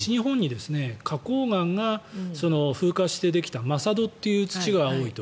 西日本豪雨の時にも西日本に花こう岩が風化してできたまさ土という土が多いと。